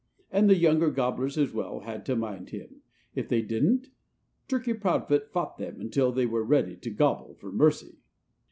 And the younger gobblers as well had to mind him. If they didn't, Turkey Proudfoot fought them until they were ready to gobble for mercy.